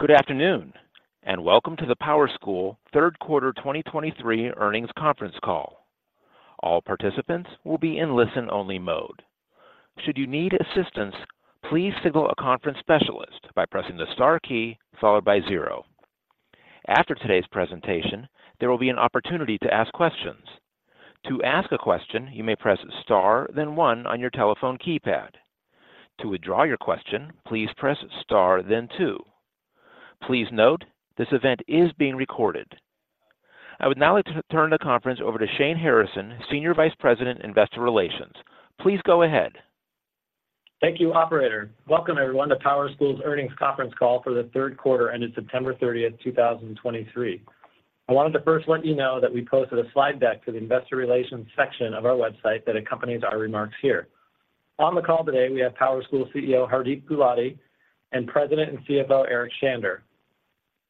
Good afternoon, and welcome to the PowerSchool Third Quarter 2023 Earnings Conference Call. All participants will be in listen-only mode. Should you need assistance, please signal a conference specialist by pressing the star key followed by zero. After today's presentation, there will be an opportunity to ask questions. To ask a question, you may press star, then one on your telephone keypad. To withdraw your question, please press star then two. Please note, this event is being recorded. I would now like to turn the conference over to Shane Harrison, Senior Vice President, Investor Relations. Please go ahead. Thank you, operator. Welcome everyone to PowerSchool's Earnings Conference Call for the third quarter ended September 30th, 2023. I wanted to first let you know that we posted a slide deck to the investor relations section of our website that accompanies our remarks here. On the call today, we have PowerSchool CEO, Hardeep Gulati, and President and CFO, Eric Shander.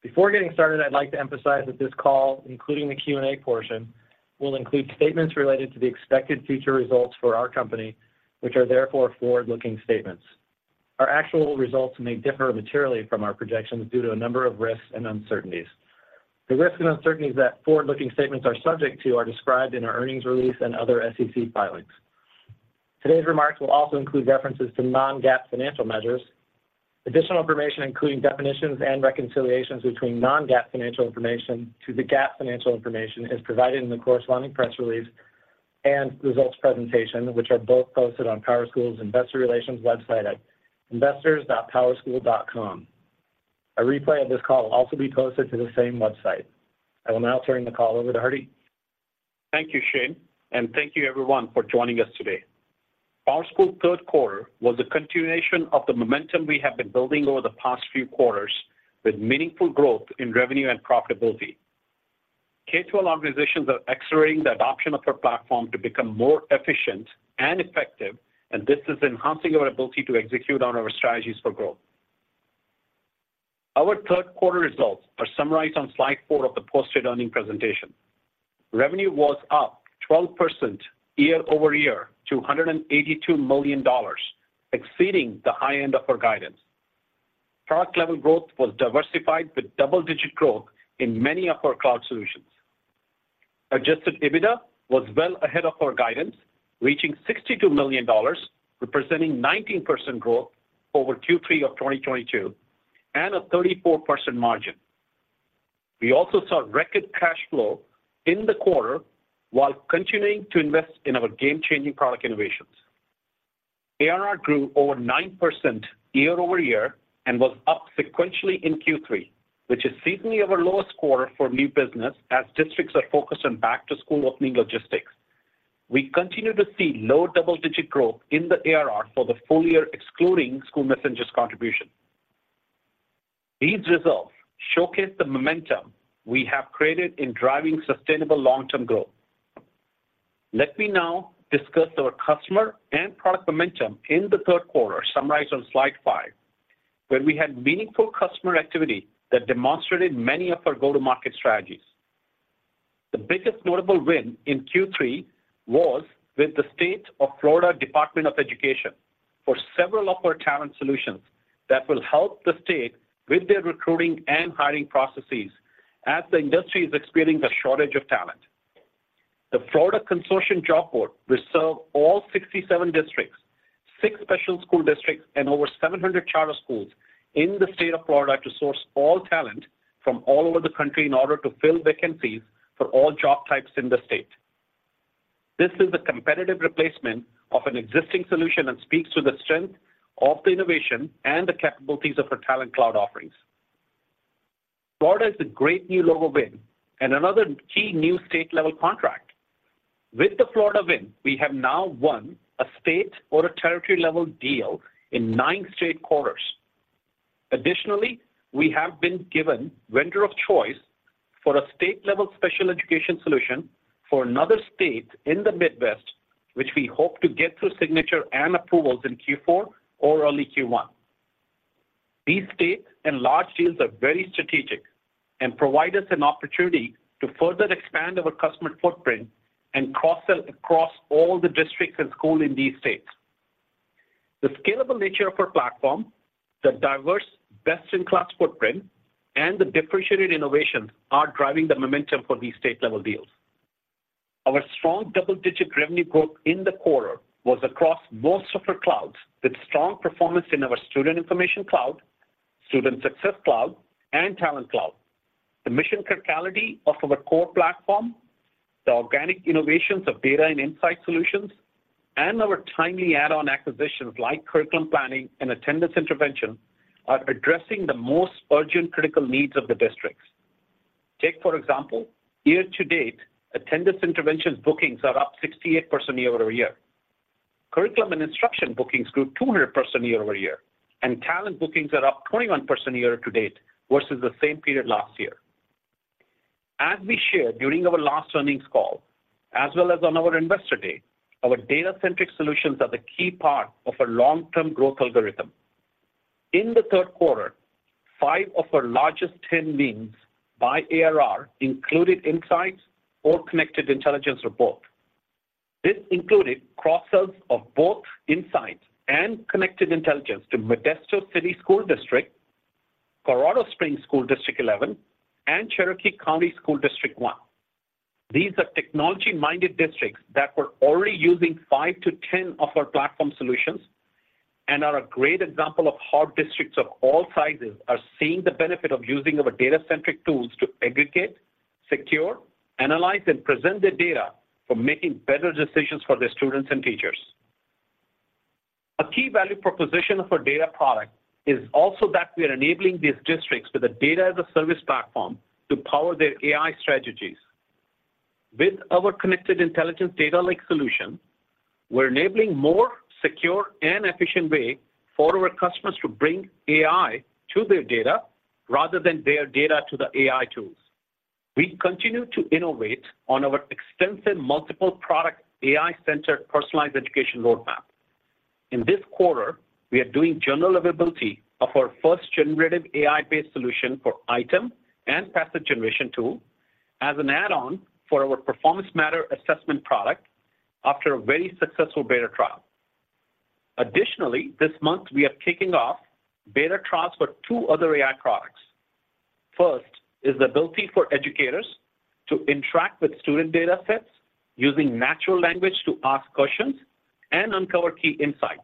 Before getting started, I'd like to emphasize that this call, including the Q&A portion, will include statements related to the expected future results for our company, which are therefore forward-looking statements. Our actual results may differ materially from our projections due to a number of risks and uncertainties. The risks and uncertainties that forward-looking statements are subject to are described in our earnings release and other SEC filings. Today's remarks will also include references to non-GAAP financial measures. Additional information, including definitions and reconciliations between non-GAAP financial information to the GAAP financial information, is provided in the corresponding press release and results presentation, which are both posted on PowerSchool's investor relations website at investors.powerschool.com. A replay of this call will also be posted to the same website. I will now turn the call over to Hardeep. Thank you, Shane, and thank you everyone for joining us today. PowerSchool third quarter was a continuation of the momentum we have been building over the past few quarters, with meaningful growth in revenue and profitability. K-12 organizations are accelerating the adoption of our platform to become more efficient and effective, and this is enhancing our ability to execute on our strategies for growth. Our third quarter results are summarized on slide four of the posted earnings presentation. Revenue was up 12% year-over-year to $182 million, exceeding the high end of our guidance. Product level growth was diversified, with double-digit growth in many of our cloud solutions. Adjusted EBITDA was well ahead of our guidance, reaching $62 million, representing 19% growth over Q3 of 2022, and a 34% margin. We also saw record cash flow in the quarter while continuing to invest in our game-changing product innovations. ARR grew over 9% year-over-year and was up sequentially in Q3, which is seasonally our lowest quarter for new business as districts are focused on back-to-school opening logistics. We continue to see low double-digit growth in the ARR for the full year, excluding SchoolMessenger's contribution. These results showcase the momentum we have created in driving sustainable long-term growth. Let me now discuss our customer and product momentum in the third quarter, summarized on slide five, where we had meaningful customer activity that demonstrated many of our go-to-market strategies. The biggest notable win in Q3 was with the State of Florida Department of Education for several of our talent solutions that will help the state with their recruiting and hiring processes as the industry is experiencing a shortage of talent. The Florida Consortium Job Board will serve all 67 districts, six special school districts, and over 700 charter schools in the state of Florida to source all talent from all over the country in order to fill vacancies for all job types in the state. This is a competitive replacement of an existing solution and speaks to the strength of the innovation and the capabilities of our Talent Cloud offerings. Florida is a great new level win and another key new state-level contract. With the Florida win, we have now won a state or a territory-level deal in nine straight quarters. Additionally, we have been given vendor of choice for a state level special education solution for another state in the Midwest, which we hope to get through signature and approvals in Q4 or early Q1. These states and large deals are very strategic and provide us an opportunity to further expand our customer footprint and cross sell across all the districts and schools in these states. The scalable nature of our platform, the diverse best in class footprint, and the differentiated innovations are driving the momentum for these state level deals. Our strong double-digit revenue growth in the quarter was across most of our clouds, with strong performance in our Student Information Cloud, Student Success Cloud, and Talent Cloud. The mission criticality of our core platform, the organic innovations of data and insight solutions, and our timely add-on acquisitions like curriculum planning and Attendance Intervention, are addressing the most urgent, critical needs of the districts. Take, for example, year to date, Attendance Intervention bookings are up 68% year-over-year. Curriculum and instruction bookings grew 200% year-over-year, and talent bookings are up 21% year to date versus the same period last year. As we shared during our last earnings call, as well as on our Investor Day, our data-centric solutions are the key part of our long-term growth algorithm. In the third quarter, five of our largest 10 wins by ARR included Insights or Connected Intelligence report. This included cross-sells of both Insights and Connected Intelligence to Modesto City School District, Colorado Springs School District 11, and Cherokee County School District 1. These are technology-minded districts that were already using five-10 of our platform solutions and are a great example of how districts of all sizes are seeing the benefit of using our data-centric tools to aggregate, secure, analyze, and present their data for making better decisions for their students and teachers. A key value proposition of our data product is also that we are enabling these districts with a data-as-a-service platform to power their AI strategies. With our Connected Intelligence data lake solution, we're enabling more secure and efficient way for our customers to bring AI to their data rather than their data to the AI tools. We continue to innovate on our extensive multiple product AI-centered personalized education roadmap. In this quarter, we are doing general availability of our first generative AI-based solution for item and passage generation tool as an add-on for our Performance Matters Assessment product after a very successful beta trial. Additionally, this month, we are kicking off beta trials for two other AI products. First is the ability for educators to interact with student datasets using natural language to ask questions and uncover key insights.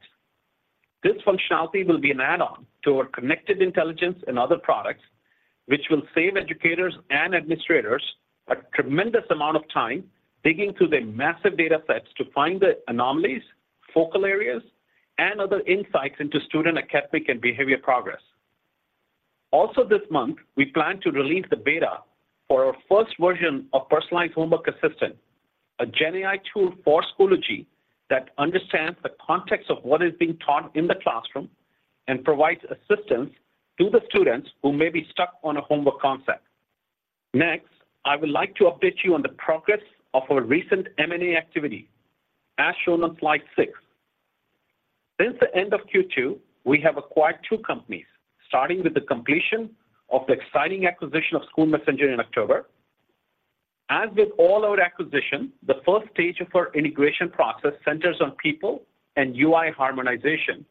This functionality will be an add-on to our Connected Intelligence and other products, which will save educators and administrators a tremendous amount of time digging through their massive datasets to find the anomalies, focal areas, and other insights into student academic and behavior progress. Also this month, we plan to release the beta for our first version of personalized homework assistant, a GenAI tool for Schoology that understands the context of what is being taught in the classroom and provides assistance to the students who may be stuck on a homework concept. Next, I would like to update you on the progress of our recent M&A activity, as shown on slide six. Since the end of Q2, we have acquired two companies, starting with the completion of the exciting acquisition of SchoolMessenger in October. As with all our acquisitions, the first stage of our integration process centers on people and UI harmonization,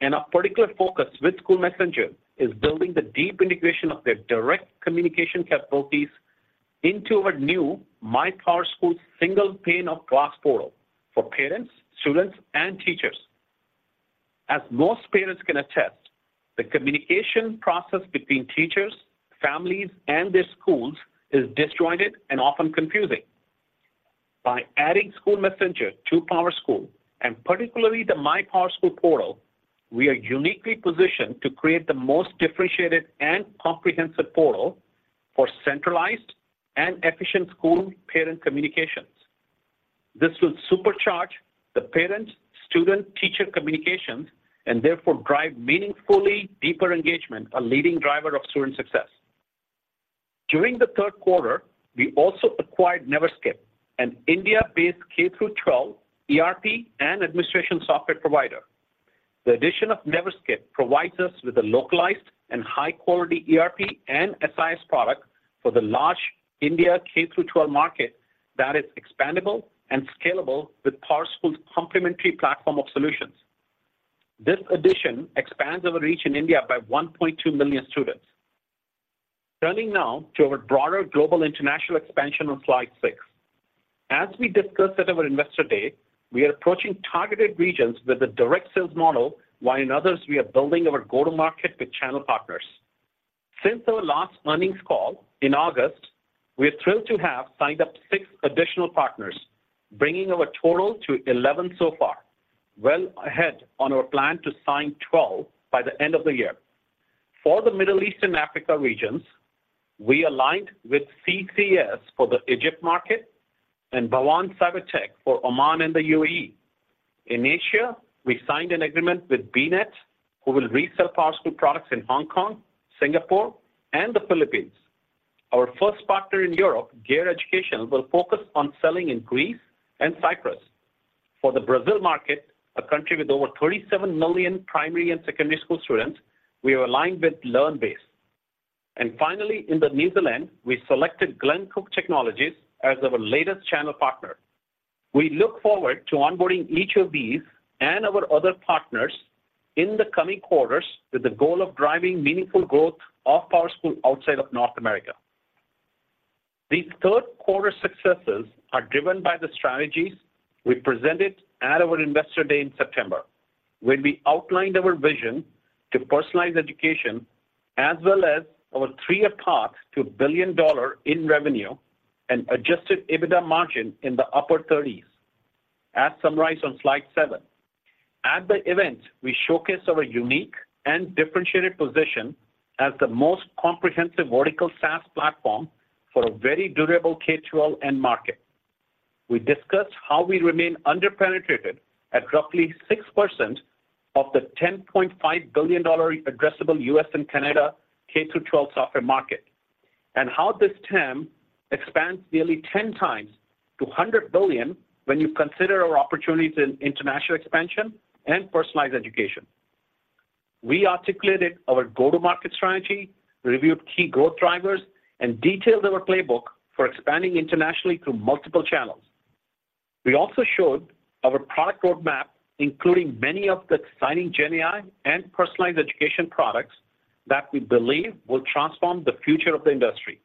and our particular focus with SchoolMessenger is building the deep integration of their direct communication capabilities into our new MyPowerSchool single pane of glass portal for parents, students, and teachers. As most parents can attest, the communication process between teachers, families, and their schools is disjointed and often confusing. By adding SchoolMessenger to PowerSchool, and particularly the MyPowerSchool portal, we are uniquely positioned to create the most differentiated and comprehensive portal for centralized and efficient school-parent communications. This will supercharge the parent-student-teacher communications and therefore drive meaningfully deeper engagement, a leading driver of student success. During the third quarter, we also acquired Neverskip, an India-based K-12 ERP and administration software provider. The addition of Neverskip provides us with a localized and high-quality ERP and SIS product for the large India K-12 market that is expandable and scalable with PowerSchool's complementary platform of solutions. This addition expands our reach in India by 1.2 million students. Turning now to our broader global international expansion on slide six. As we discussed at our Investor Day, we are approaching targeted regions with a direct sales model, while in others, we are building our go-to-market with channel partners. Since our last earnings call in August, we are thrilled to have signed up 6 additional partners, bringing our total to 11 so far, well ahead on our plan to sign 12 by the end of the year. For the Middle East and Africa regions, we aligned with CCS for the Egypt market and Bahwan Cyber Tek for Oman and the UAE. In Asia, we signed an agreement with BNet, who will resell PowerSchool products in Hong Kong, Singapore, and the Philippines. Our first partner in Europe, GEAR Education, will focus on selling in Greece and Cyprus. For the Brazil market, a country with over 37 million primary and secondary school students, we are aligned with Learnbase. Finally, in New Zealand, we selected Glencook Technologies as our latest channel partner. We look forward to onboarding each of these and our other partners in the coming quarters with the goal of driving meaningful growth of PowerSchool outside of North America. These third quarter successes are driven by the strategies we presented at our Investor Day in September, when we outlined our vision to personalize education, as well as our three-year path to $1 billion in revenue and adjusted EBITDA margin in the upper 30s, as summarized on slide seven. At the event, we showcased our unique and differentiated position as the most comprehensive vertical SaaS platform for a very durable K-12 end market. We discussed how we remain underpenetrated at roughly 6% of the $10.5 billion addressable U.S. and Canada K-12 software market, and how this TAM expands nearly 10 times to $100 billion when you consider our opportunities in international expansion and personalized education... We articulated our go-to-market strategy, reviewed key growth drivers, and detailed our playbook for expanding internationally through multiple channels. We also showed our product roadmap, including many of the exciting GenAI and personalized education products that we believe will transform the future of the industry.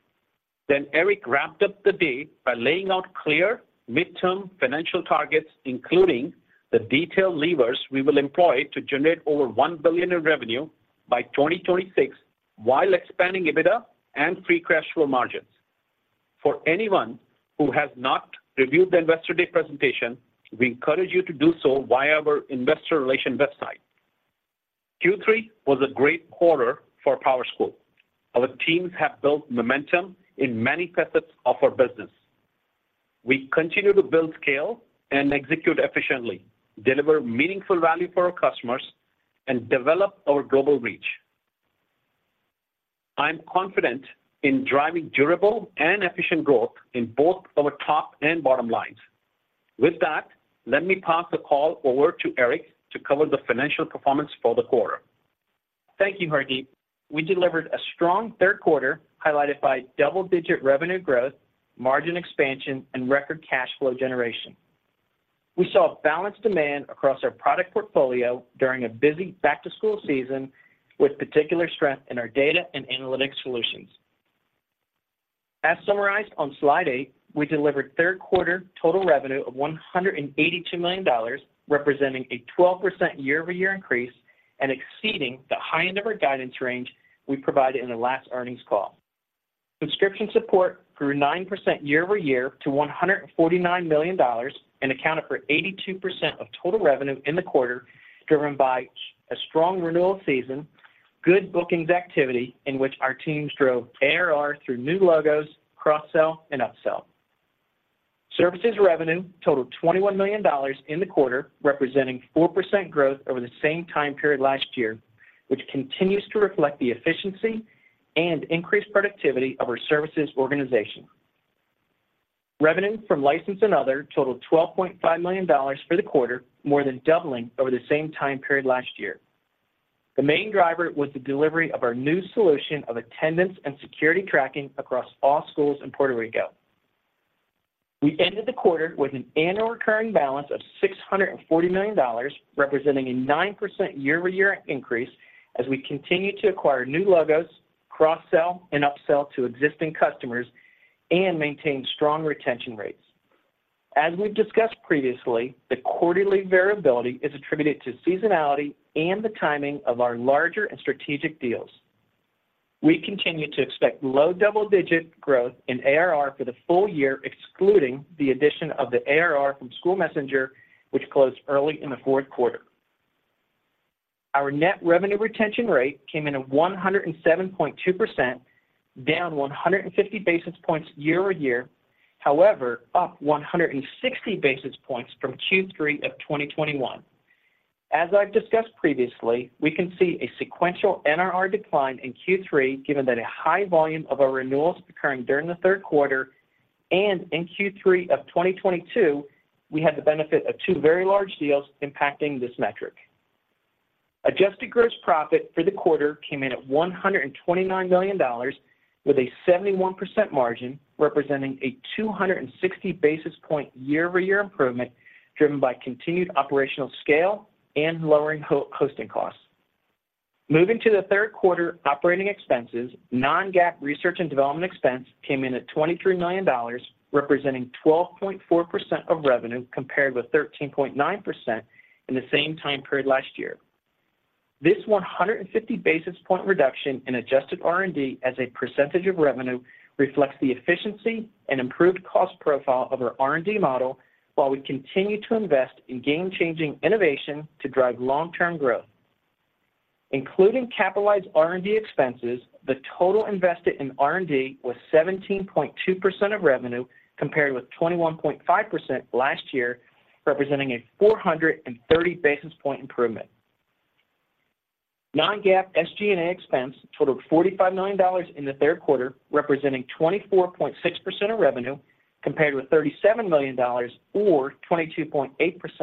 Then Eric wrapped up the day by laying out clear midterm financial targets, including the detailed levers we will employ to generate over $1 billion in revenue by 2026, while expanding EBITDA and free cash flow margins. For anyone who has not reviewed the Investor Day presentation, we encourage you to do so via our investor relation website. Q3 was a great quarter for PowerSchool. Our teams have built momentum in many facets of our business. We continue to build scale and execute efficiently, deliver meaningful value for our customers, and develop our global reach. I'm confident in driving durable and efficient growth in both our top and bottom lines. With that, let me pass the call over to Eric to cover the financial performance for the quarter. Thank you, Hardeep. We delivered a strong third quarter, highlighted by double-digit revenue growth, margin expansion, and record cash flow generation. We saw balanced demand across our product portfolio during a busy back-to-school season, with particular strength in our data and analytics solutions. As summarized on slide eight, we delivered third quarter total revenue of $182 million, representing a 12% year-over-year increase and exceeding the high end of our guidance range we provided in the last earnings call. Subscriptions and Support grew 9% year-over-year to $149 million and accounted for 82% of total revenue in the quarter, driven by a strong renewal season, good bookings activity in which our teams drove ARR through new logos, cross-sell, and upsell. Services revenue totaled $21 million in the quarter, representing 4% growth over the same time period last year, which continues to reflect the efficiency and increased productivity of our services organization. Revenue from License and Other totaled $12.5 million for the quarter, more than doubling over the same time period last year. The main driver was the delivery of our new solution of attendance and security tracking across all schools in Puerto Rico. We ended the quarter with an annual recurring balance of $640 million, representing a 9% year-over-year increase as we continue to acquire new logos, cross-sell, and upsell to existing customers and maintain strong retention rates. As we've discussed previously, the quarterly variability is attributed to seasonality and the timing of our larger and strategic deals. We continue to expect low double-digit growth in ARR for the full year, excluding the addition of the ARR from SchoolMessenger, which closed early in the fourth quarter. Our net revenue retention rate came in at 107.2%, down 150 basis points year-over-year. However, up 160 basis points from Q3 of 2021. As I've discussed previously, we can see a sequential NRR decline in Q3, given that a high volume of our renewals occurring during the third quarter and in Q3 of 2022, we had the benefit of two very large deals impacting this metric. Adjusted gross profit for the quarter came in at $129 million, with a 71% margin, representing a 260 basis point year-over-year improvement, driven by continued operational scale and lowering hosting costs. Moving to the third quarter operating expenses, non-GAAP research and development expense came in at $23 million, representing 12.4% of revenue, compared with 13.9% in the same time period last year. This 150 basis point reduction in adjusted R&D as a percentage of revenue reflects the efficiency and improved cost profile of our R&D model, while we continue to invest in game-changing innovation to drive long-term growth. Including capitalized R&D expenses, the total invested in R&D was 17.2% of revenue, compared with 21.5% last year, representing a 430 basis point improvement. Non-GAAP SG&A expense totaled $45 million in the third quarter, representing 24.6% of revenue, compared with $37 million or 22.8%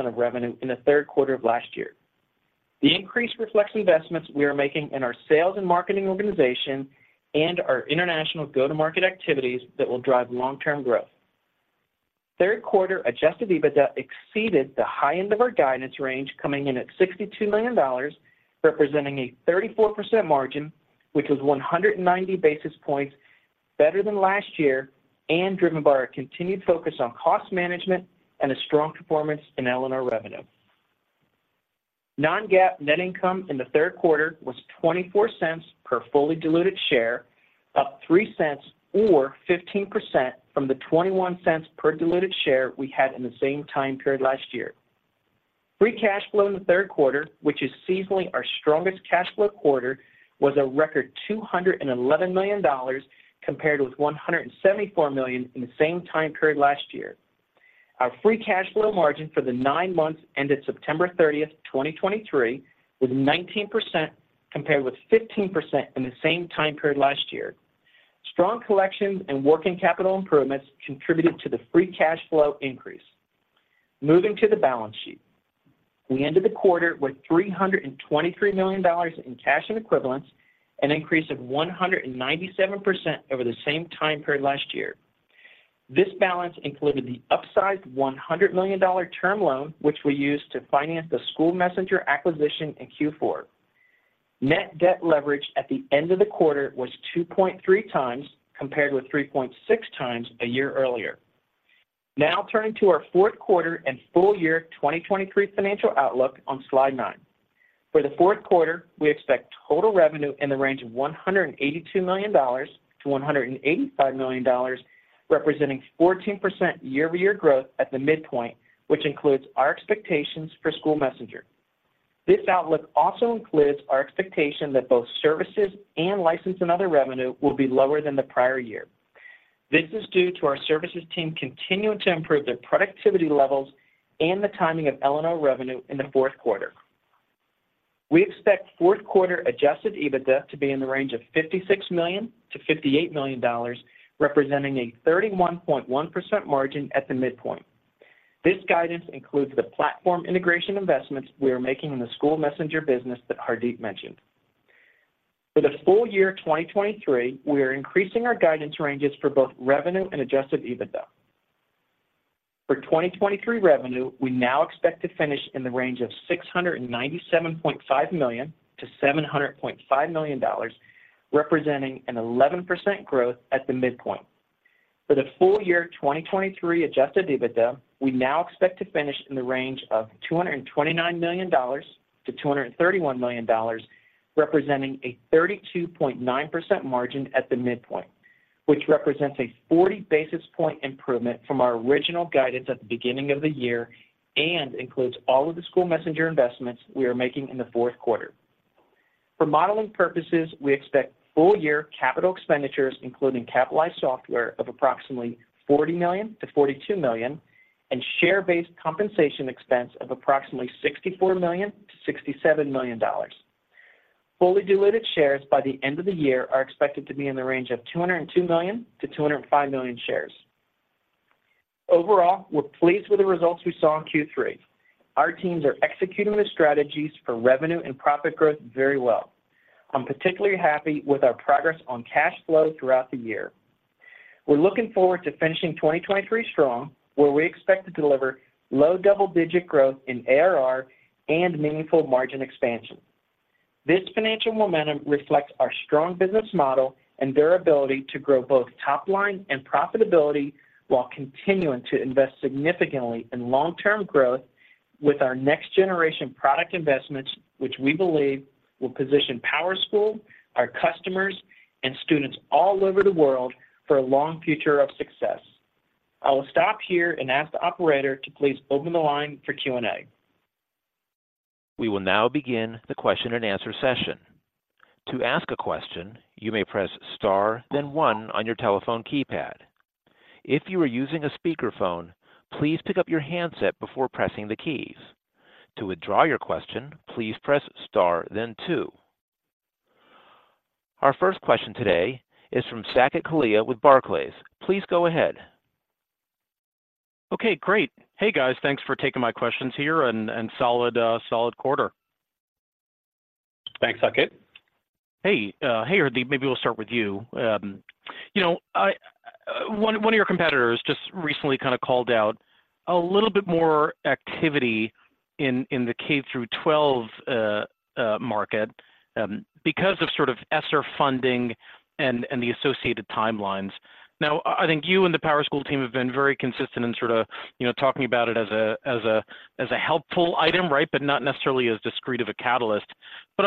of revenue in the third quarter of last year. The increase reflects investments we are making in our sales and marketing organization and our international go-to-market activities that will drive long-term growth. Third quarter adjusted EBITDA exceeded the high end of our guidance range, coming in at $62 million, representing a 34% margin, which is 190 basis points better than last year and driven by our continued focus on cost management and a strong performance in L&O revenue. Non-GAAP net income in the third quarter was $0.24 per fully diluted share, up 3 cents or 15% from the $0.21 per diluted share we had in the same time period last year. Free cash flow in the third quarter, which is seasonally our strongest cash flow quarter, was a record $211 million, compared with $174 million in the same time period last year. Our free cash flow margin for the nine months ended September 30, 2023, was 19%, compared with 15% in the same time period last year. Strong collections and working capital improvements contributed to the free cash flow increase. Moving to the balance sheet. We ended the quarter with $323 million in cash and equivalents, an increase of 197% over the same time period last year. This balance included the upsized $100 million term loan, which we used to finance the SchoolMessenger acquisition in Q4. Net debt leverage at the end of the quarter was 2.3 times, compared with 3.6 times a year earlier. Now turning to our fourth quarter and full year 2023 financial outlook on slide nine. For the fourth quarter, we expect total revenue in the range of $182 million-$185 million, representing 14% year-over-year growth at the midpoint, which includes our expectations for SchoolMessenger. This outlook also includes our expectation that both services and License and Other revenue will be lower than the prior year. This is due to our services team continuing to improve their productivity levels and the timing of L&O revenue in the fourth quarter. We expect fourth quarter adjusted EBITDA to be in the range of $56 million-$58 million, representing a 31.1% margin at the midpoint. This guidance includes the platform integration investments we are making in the SchoolMessenger business that Hardeep mentioned. For the full year 2023, we are increasing our guidance ranges for both revenue and adjusted EBITDA. For 2023 revenue, we now expect to finish in the range of $697.5 million-$700.5 million, representing an 11% growth at the midpoint. For the full year 2023 adjusted EBITDA, we now expect to finish in the range of $229 million-$231 million, representing a 32.9% margin at the midpoint, which represents a 40 basis points improvement from our original guidance at the beginning of the year, and includes all of the SchoolMessenger investments we are making in the fourth quarter. For modeling purposes, we expect full year capital expenditures, including capitalized software, of approximately $40 million-$42 million, and share-based compensation expense of approximately $64 million-$67 million. Fully diluted shares by the end of the year are expected to be in the range of 202 million-205 million shares. Overall, we're pleased with the results we saw in Q3. Our teams are executing the strategies for revenue and profit growth very well. I'm particularly happy with our progress on cash flow throughout the year. We're looking forward to finishing 2023 strong, where we expect to deliver low double-digit growth in ARR and meaningful margin expansion. This financial momentum reflects our strong business model and their ability to grow both top line and profitability, while continuing to invest significantly in long-term growth with our next generation product investments, which we believe will position PowerSchool, our customers, and students all over the world for a long future of success. I will stop here and ask the operator to please open the line for Q&A. We will now begin the question and answer session. To ask a question, you may press Star, then one on your telephone keypad. If you are using a speakerphone, please pick up your handset before pressing the keys. To withdraw your question, please press star then two. Our first question today is from Saket Kalia with Barclays. Please go ahead. Okay, great. Hey, guys. Thanks for taking my questions here, and solid quarter. Thanks, Saket. Hey, hey, Hardeep, maybe we'll start with you. You know, one of your competitors just recently kind of called out a little bit more activity in the K-12 market because of sort of ESSER funding and the associated timelines. Now, I think you and the PowerSchool team have been very consistent in sort of, you know, talking about it as a helpful item, right? But I'm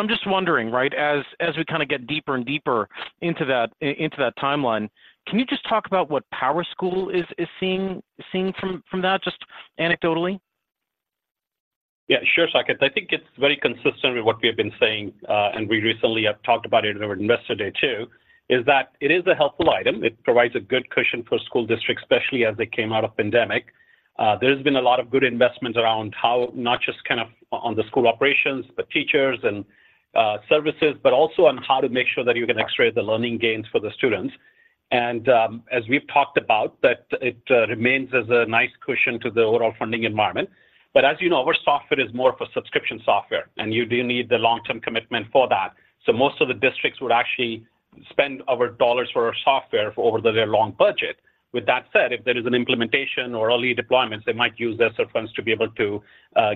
just wondering, right, as we kinda get deeper and deeper into that timeline, can you just talk about what PowerSchool is seeing from that, just anecdotally? Yeah, sure, Saket. I think it's very consistent with what we have been saying, and we recently have talked about it in our investor day, too, is that it is a helpful item. It provides a good cushion for school districts, especially as they came out of pandemic. There's been a lot of good investment around how... not just kind of on the school operations, but teachers and services, but also on how to make sure that you can X-ray the learning gains for the students. And as we've talked about, that it remains as a nice cushion to the overall funding environment. But as you know, our software is more for subscription software, and you do need the long-term commitment for that. So most of the districts would actually spend our dollars for our software for over their long budget. With that said, if there is an implementation or early deployments, they might use their ESSER funds to be able to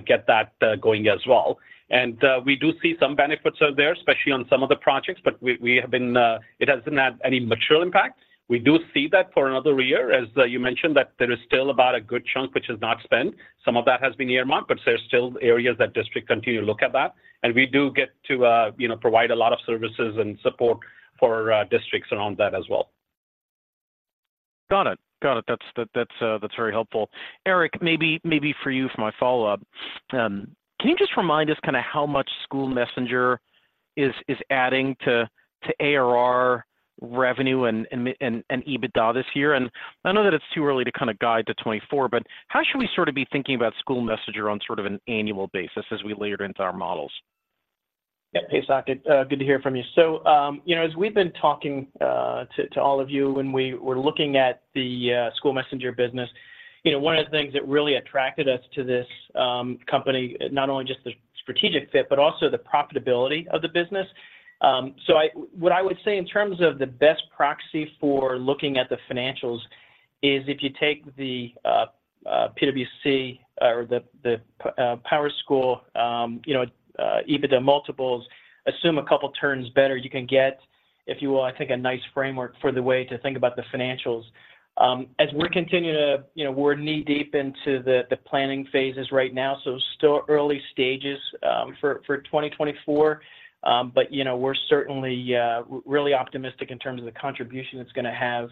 get that going as well. And we do see some benefits out there, especially on some of the projects, but we have been; it hasn't had any material impact. We do see that for another year, as you mentioned, that there is still about a good chunk which is not spent. Some of that has been earmarked, but there's still areas that districts continue to look at that, and we do get to you know, provide a lot of services and support for districts around that as well. Got it. Got it. That's very helpful. Eric, maybe for you for my follow-up. Can you just remind us kind of how much SchoolMessenger is adding to ARR revenue and EBITDA this year? And I know that it's too early to kind of guide to 2024, but how should we sort of be thinking about SchoolMessenger on sort of an annual basis as we layer it into our models? ... Yeah, hey, Saket, good to hear from you. So, you know, as we've been talking to all of you when we were looking at the SchoolMessenger business, you know, one of the things that really attracted us to this company, not only just the strategic fit, but also the profitability of the business. So I—what I would say in terms of the best proxy for looking at the financials is if you take the PWSC or the PowerSchool, you know, EBITDA multiples, assume a couple turns better, you can get, if you will, I think, a nice framework for the way to think about the financials. As we're continuing to, you know, we're knee-deep into the planning phases right now, so still early stages for 2024. But, you know, we're certainly really optimistic in terms of the contribution it's gonna have.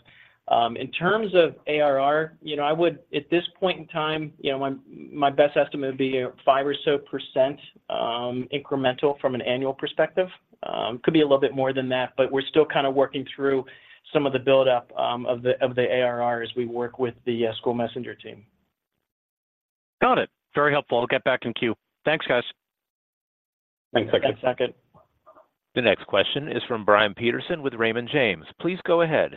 In terms of ARR, you know, I would... At this point in time, you know, my best estimate would be 5% or so, incremental from an annual perspective. Could be a little bit more than that, but we're still kinda working through some of the buildup of the ARR as we work with the SchoolMessenger team. Got it! Very helpful. I'll get back in queue. Thanks, guys. Thanks, saket. Thanks, saket. The next question is from Brian Peterson with Raymond James. Please go ahead.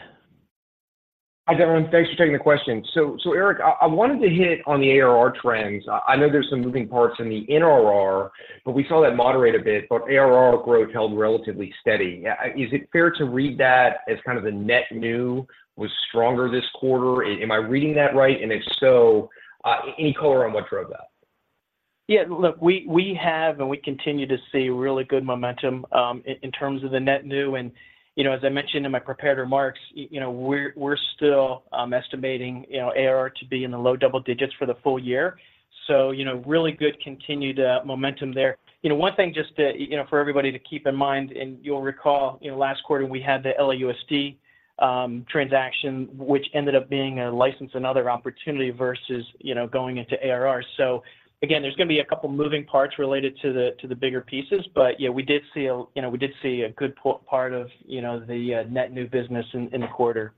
Hi, everyone. Thanks for taking the question. So, Eric, I wanted to hit on the ARR trends. I know there's some moving parts in the NRR, but we saw that moderate a bit, but ARR growth held relatively steady. Is it fair to read that as kind of the net new was stronger this quarter? Am I reading that right? And if so, any color on what drove that? Yeah, look, we have and we continue to see really good momentum in terms of the net new, and, as I mentioned in my prepared remarks, you know, we're still estimating, you know, ARR to be in the low double digits for the full year. So, you know, really good continued momentum there. You know, one thing just to, you know, for everybody to keep in mind, and you'll recall, you know, last quarter we had the LAUSD transaction, which ended up being a License and Other opportunity versus, you know, going into ARR. So again, there's gonna be a couple moving parts related to the bigger pieces. But yeah, we did see a, you know, we did see a good part of, you know, the net new business in the quarter.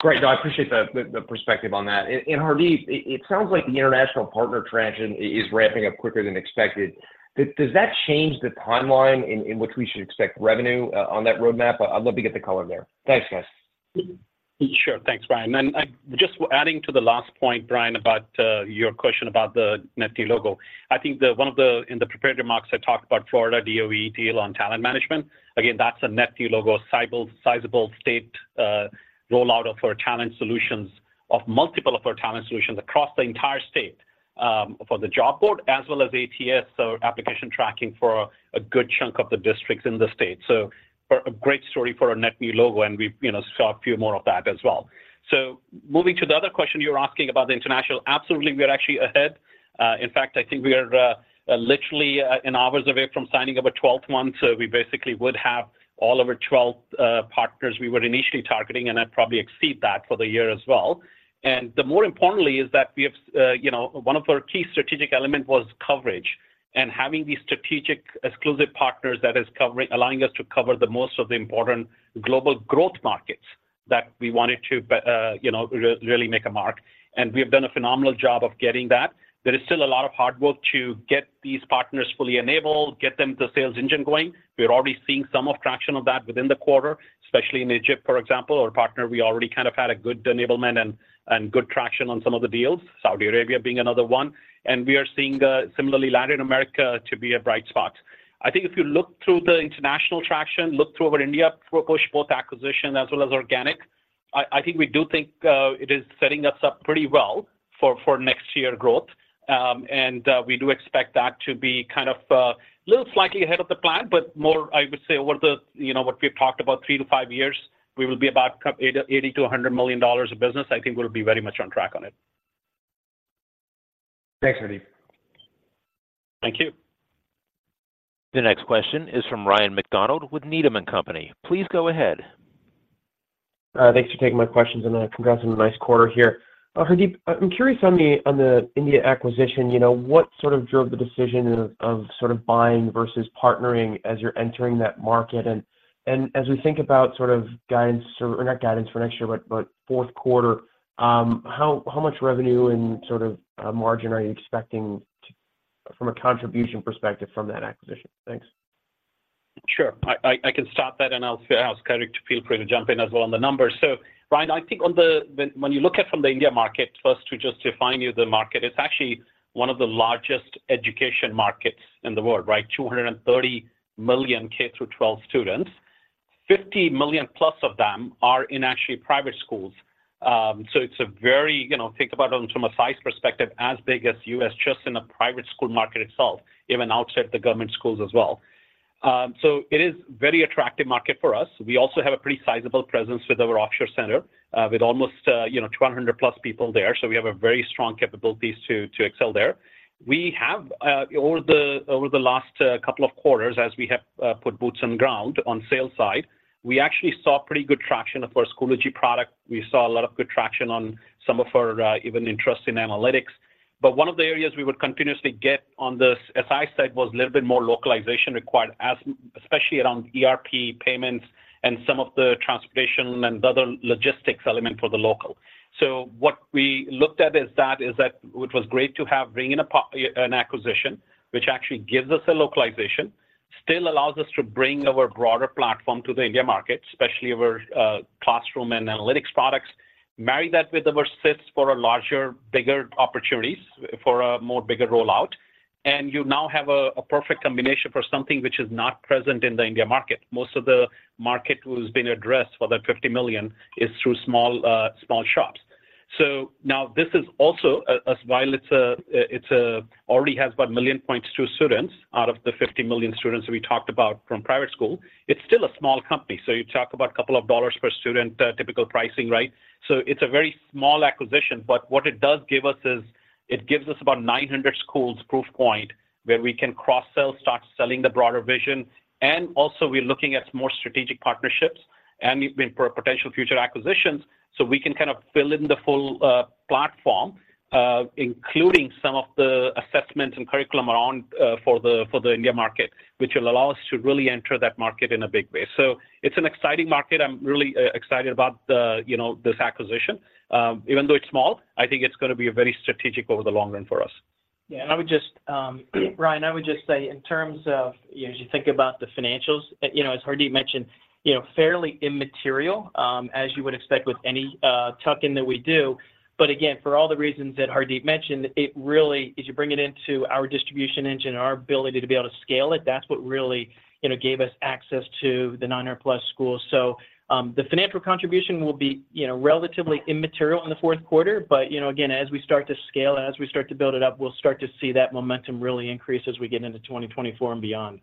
Great. No, I appreciate the perspective on that. And Hardeep, it sounds like the international partner traction is ramping up quicker than expected. Does that change the timeline in which we should expect revenue on that roadmap? I'd love to get the color there. Thanks, guys. Sure. Thanks, Brian. Just adding to the last point, Brian, about your question about the net new logo. I think one of the, in the prepared remarks, I talked about Florida DOE deal on talent management. Again, that's a net new logo, sizable, sizable state rollout of our talent solutions, of multiple of our talent solutions across the entire state, for the job board as well as ATS, so application tracking for a good chunk of the districts in the state. So for a great story for our net new logo, and we've, you know, saw a few more of that as well. So moving to the other question, you were asking about the international. Absolutely, we are actually ahead. In fact, I think we are literally an hours away from signing up a twelfth one. So we basically would have all of our 12 partners we were initially targeting, and I'd probably exceed that for the year as well. And the more importantly is that we have, you know, one of our key strategic element was coverage and having these strategic exclusive partners that is covering, allowing us to cover the most of the important global growth markets that we wanted to, you know, really make a mark, and we have done a phenomenal job of getting that. There is still a lot of hard work to get these partners fully enabled, get them the sales engine going. We are already seeing some of traction of that within the quarter, especially in Egypt, for example, our partner. We already kind of had a good enablement and good traction on some of the deals, Saudi Arabia being another one, and we are seeing similarly, Latin America to be a bright spot. I think if you look through the international traction, look through our India push, both acquisition as well as organic, I think we do think it is setting us up pretty well for next year growth. And we do expect that to be kind of little slightly ahead of the plan, but more, I would say, over the, you know, what we've talked about three to five years, we will be about $80 million-$100 million of business. I think we'll be very much on track on it. Thanks, Hardeep. Thank you. The next question is from Ryan MacDonald with Needham and Company. Please go ahead. Thanks for taking my questions, and congrats on a nice quarter here. Hardeep, I'm curious on the, on the India acquisition, you know, what sort of drove the decision of, of sort of buying versus partnering as you're entering that market? And, as we think about sort of guidance or not guidance for next year, but fourth quarter, how much revenue and sort of margin are you expecting from a contribution perspective from that acquisition? Thanks. Sure. I can start that, and I'll ask Eric to feel free to jump in as well on the numbers. So Ryan, I think on the. When you look at from the India market, first, to just define you the market, it's actually one of the largest education markets in the world, right? 230 million K-12 students. 50 million plus of them are in actually private schools. So it's a very, you know, think about it from a size perspective, as big as U.S., just in the private school market itself, even outside the government schools as well. So it is very attractive market for us. We also have a pretty sizable presence with our offshore center, with almost, you know, 200 plus people there. So we have a very strong capabilities to excel there. We have over the last couple of quarters, as we have put boots on ground on sales side, we actually saw pretty good traction of our Schoology product. We saw a lot of good traction on some of our even interest in analytics. But one of the areas we would continuously get on this, as I said, was a little bit more localization required, especially around ERP payments and some of the transportation and other logistics element for the local. So what we looked at is that, which was great to have, bring in an acquisition, which actually gives us a localization that still allows us to bring our broader platform to the India market, especially our classroom and analytics products. Marry that with our SIS for a larger, bigger opportunities, for a more bigger rollout, and you now have a perfect combination for something which is not present in the India market. Most of the market who's been addressed for that 50 million is through small, small shops. So now this is also, while it's a, it's already has about 1.2 million students out of the 50 million students we talked about from private school, it's still a small company. So you talk about a couple of dollars per student, typical pricing, right? So it's a very small acquisition, but what it does give us is, it gives us about 900 schools proof point where we can cross-sell, start selling the broader vision, and also we're looking at more strategic partnerships and for potential future acquisitions, so we can kind of fill in the full platform, including some of the assessment and curriculum around for the India market, which will allow us to really enter that market in a big way. So it's an exciting market. I'm really excited about the, you know, this acquisition. Even though it's small, I think it's gonna be very strategic over the long run for us. Yeah, and I would just, Ryan, I would just say, in terms of, you know, as you think about the financials, you know, as Hardeep mentioned, you know, fairly immaterial, as you would expect with any, tuck-in that we do. But again, for all the reasons that Hardeep mentioned, it really, as you bring it into our distribution engine and our ability to be able to scale it, that's what really, you know, gave us access to the 900+ schools. So, the financial contribution will be, you know, relatively immaterial in the fourth quarter, but, you know, again, as we start to scale and as we start to build it up, we'll start to see that momentum really increase as we get into 2024 and beyond.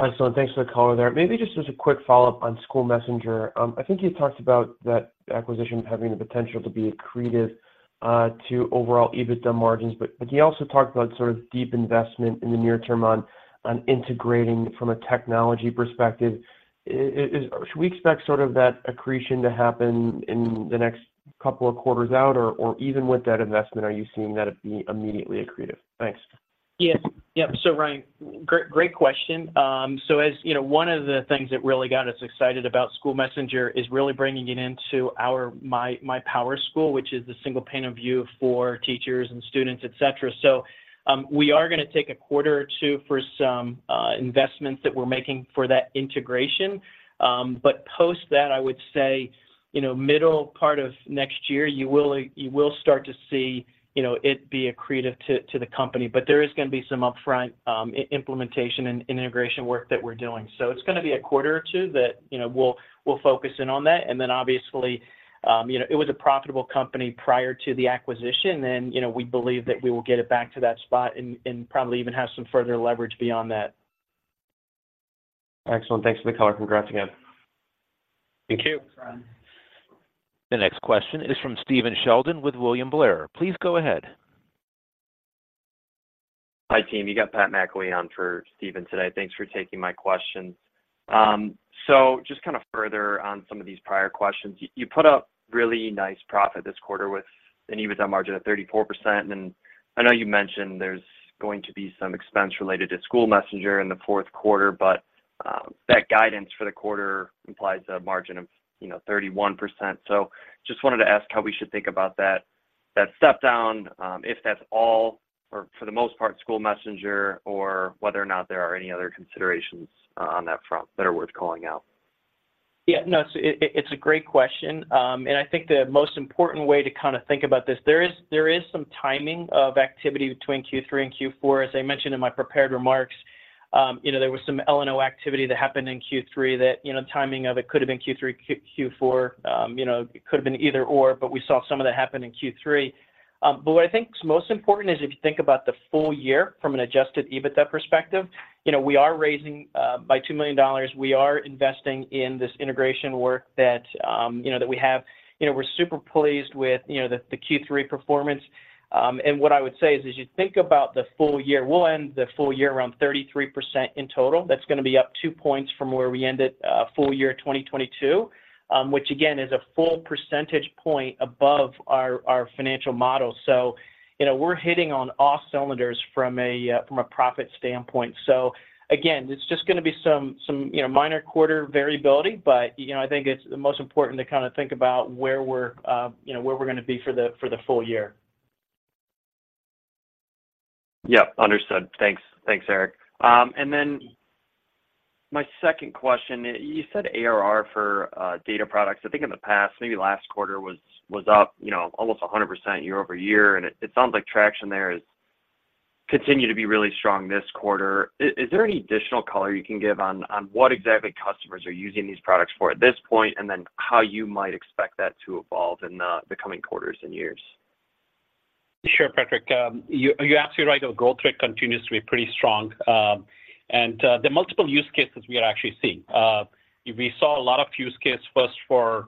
Excellent. Thanks for the color there. Maybe just as a quick follow-up on SchoolMessenger. I think you talked about that acquisition having the potential to be accretive to overall EBITDA margins, but you also talked about sort of deep investment in the near term on integrating from a technology perspective. Should we expect sort of that accretion to happen in the next couple of quarters out? Or even with that investment, are you seeing that it'd be immediately accretive? Thanks. Yes. Yep, so Ryan, great, great question. So as you know, one of the things that really got us excited about SchoolMessenger is really bringing it into our myPowerSchool, which is the single pane of view for teachers and students, et cetera. So, we are gonna take a quarter or two for some investments that we're making for that integration. But post that, I would say, you know, middle part of next year, you will, you will start to see, you know, it be accretive to, to the company. But there is gonna be some upfront implementation and integration work that we're doing. So it's gonna be a quarter or two that, you know, we'll, we'll focus in on that. Then obviously, you know, it was a profitable company prior to the acquisition, and, you know, we believe that we will get it back to that spot and probably even have some further leverage beyond that. Excellent. Thanks for the color. Congrats again. Thank you. Thanks, Ryan. The next question is from Steven Sheldon with William Blair. Please go ahead. Hi, team. You got Pat McEleney on for Steven today. Thanks for taking my questions. So just kind of further on some of these prior questions, you put up really nice profit this quarter with an EBITDA margin of 34%. And I know you mentioned there's going to be some expense related to SchoolMessenger in the fourth quarter, but, that guidance for the quarter implies a margin of, you know, 31%. So just wanted to ask how we should think about that, that step down, if that's all or for the most part, SchoolMessenger, or whether or not there are any other considerations, on that front that are worth calling out? Yeah, no, so it's a great question. And I think the most important way to kind of think about this, there is some timing of activity between Q3 and Q4. As I mentioned in my prepared remarks, you know, there was some L&O activity that happened in Q3 that, you know, timing of it could have been Q3, Q4. You know, it could have been either or, but we saw some of that happen in Q3. But what I think is most important is if you think about the full year from an adjusted EBITDA perspective, you know, we are raising by $2 million, we are investing in this integration work that, you know, that we have. You know, we're super pleased with, you know, the Q3 performance. And what I would say is, as you think about the full year, we'll end the full year around 33% in total. That's gonna be up two points from where we ended, full year 2022. Which again, is a full percentage point above our, our financial model. So, you know, we're hitting on all cylinders from a, from a profit standpoint. So again, it's just gonna be some, some, you know, minor quarter variability. But, you know, I think it's the most important to kind of think about where we're, you know, where we're gonna be for the, for the full year. Yep, understood. Thanks. Thanks, Eric. And then my second question: You said ARR for data products, I think in the past, maybe last quarter was up, you know, almost 100% year-over-year, and it sounds like traction there has continued to be really strong this quarter. Is there any additional color you can give on what exactly customers are using these products for at this point, and then how you might expect that to evolve in the coming quarters and years? Sure, Patrick. You're absolutely right. Our growth rate continues to be pretty strong. There are multiple use cases we are actually seeing. We saw a lot of use cases first for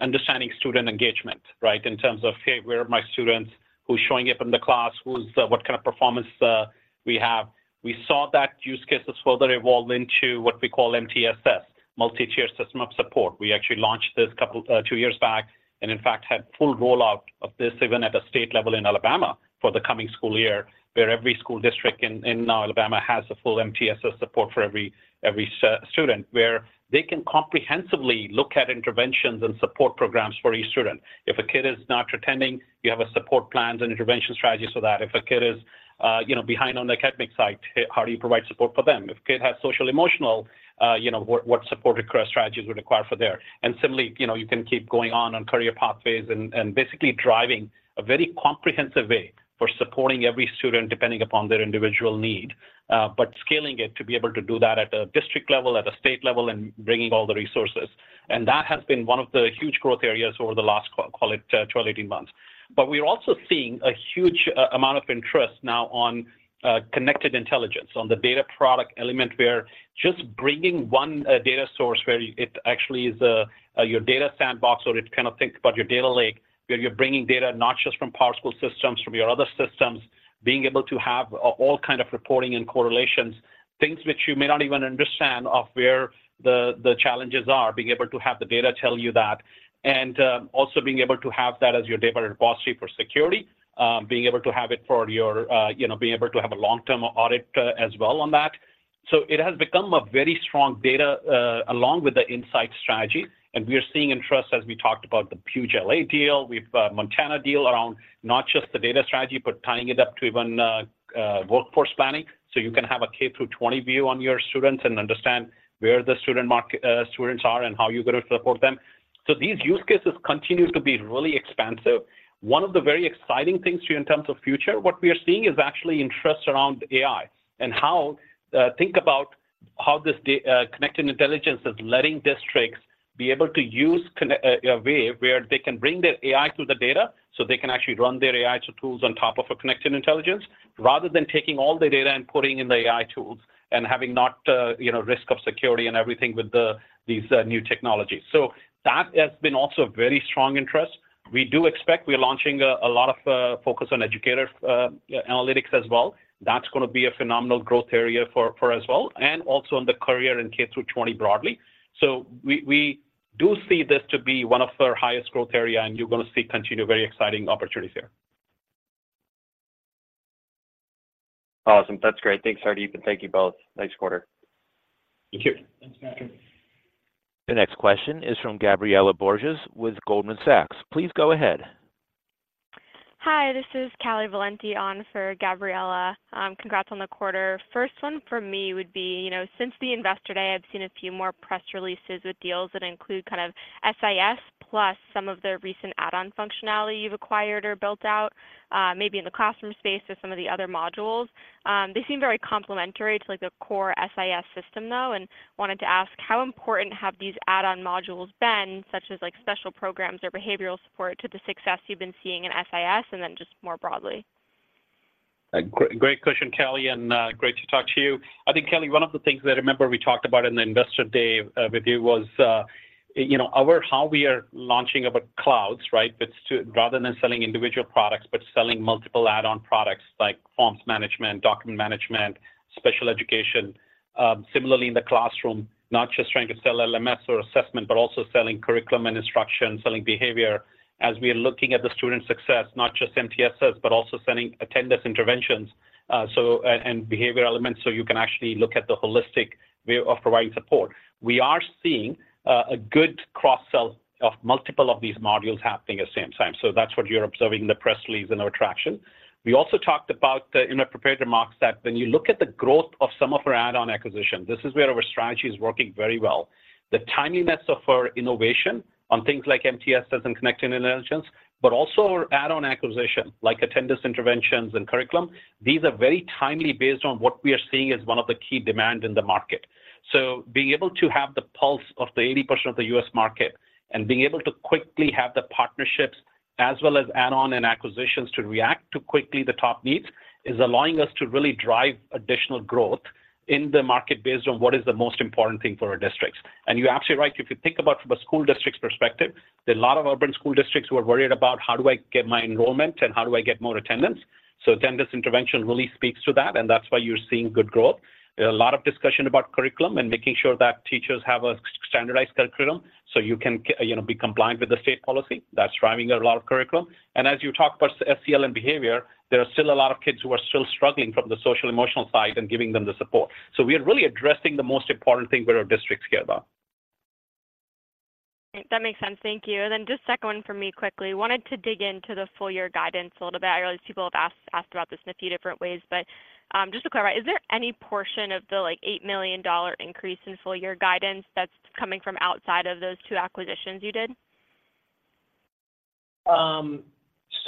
understanding student engagement, right? In terms of, hey, where are my students? Who's showing up in the class? Who's what kind of performance. We saw that use cases further evolve into what we call MTSS, multi-tier system of support. We actually launched this couple two years back, and in fact, had full rollout of this even at the state level in Alabama for the coming school year, where every school district in now Alabama has a full MTSS support for every student, where they can comprehensively look at interventions and support programs for each student. If a kid is not attending, you have support plans and intervention strategies so that if a kid is, you know, behind on the academic side, how do you provide support for them? If a kid has social-emotional, you know, what, what support or strategies would require for there? And similarly, you know, you can keep going on career pathways and basically driving a very comprehensive way for supporting every student depending upon their individual need, but scaling it to be able to do that at a district level, at a state level, and bringing all the resources. And that has been one of the huge growth areas over the last, call it, 12, 18 months. But we're also seeing a huge amount of interest now on Connected Intelligence, on the data product element, where just bringing one data source where it actually is a your data sandbox, or it kind of thinks about your data lake, where you're bringing data not just from PowerSchool systems, from your other systems, being able to have all kind of reporting and correlations, things which you may not even understand of where the challenges are, being able to have the data tell you that, and also being able to have that as your data repository for security, being able to have it for your, you know, being able to have a long-term audit as well on that. So it has become a very strong data along with the insight strategy, and we are seeing interest as we talked about the huge LA deal. We've a Montana deal around not just the data strategy, but tying it up to even workforce planning. So you can have a K through 20 view on your students and understand where the student market, students are and how you're gonna support them. So these use cases continue to be really expansive. One of the very exciting things to you in terms of future, what we are seeing is actually interest around AI and how, think about how this Connected Intelligence is letting districts be able to use a way where they can bring their AI to the data, so they can actually run their AI tools on top of a Connected Intelligence, rather than taking all the data and putting in the AI tools and having not, you know, risk of security and everything with these new technologies. So that has been also a very strong interest. We do expect we are launching a lot of focus on educator, yeah, analytics as well. That's gonna be a phenomenal growth area for, for as well, and also on the career in K through 20 broadly. So we do see this to be one of our highest growth area, and you're gonna see continued very exciting opportunities here. Awesome! That's great. Thanks, Hardeep, and thank you both. Nice quarter. Thank you. Thanks, Patrick. The next question is from Gabriela Borges with Goldman Sachs. Please go ahead. Hi, this is Callie Valenti on for Gabriela. Congrats on the quarter. First one for me would be, you know, since the Investor Day, I've seen a few more press releases with deals that include kind of SIS, plus some of the recent add-on functionality you've acquired or built out, maybe in the classroom space or some of the other modules. They seem very complementary to, like, the core SIS system, though, and wanted to ask, how important have these add-on modules been, such as, like, special programs or behavioral support, to the success you've been seeing in SIS and then just more broadly? Great question, Kelly, and great to talk to you. I think, Kelly, one of the things that I remember we talked about in the Investor Day with you was, you know, our how we are launching our clouds, right? But rather than selling individual products, but selling multiple add-on products like forms management, document management, special education, similarly in the classroom, not just trying to sell LMS or assessment, but also selling Curriculum and Instruction, selling behavior as we are looking at the student success, not just MTSS, but also selling Attendance Interventions, and behavior elements, so you can actually look at the holistic way of providing support. We are seeing a good cross sell of multiple of these modules happening at the same time. So that's what you're observing in the press release and our traction. We also talked about in our prepared remarks, that when you look at the growth of some of our add-on acquisitions, this is where our strategy is working very well. The timeliness of our innovation on things like MTSS and Connected Intelligence, but also our add-on acquisition, like attendance, interventions, and curriculum, these are very timely based on what we are seeing as one of the key demand in the market. So being able to have the pulse of the 80% of the U.S. market and being able to quickly have the partnerships as well as add-on and acquisitions to react to quickly the top needs, is allowing us to really drive additional growth in the market based on what is the most important thing for our districts. You're actually right, if you think about from a school district's perspective, there are a lot of urban school districts who are worried about: How do I get my enrollment, and how do I get more attendance? Attendance intervention really speaks to that, and that's why you're seeing good growth. There are a lot of discussion about curriculum and making sure that teachers have a standardized curriculum, so you can, you know, be compliant with the state policy. That's driving a lot of curriculum. As you talk about SEL and behavior, there are still a lot of kids who are still struggling from the social-emotional side and giving them the support. We are really addressing the most important thing what our districts care about. That makes sense. Thank you. And then just second one for me quickly. Wanted to dig into the full year guidance a little bit. I realize people have asked about this in a few different ways, but just to clarify, is there any portion of the, like, $8 million increase in full year guidance that's coming from outside of those two acquisitions you did?